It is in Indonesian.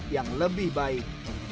yang lebih baik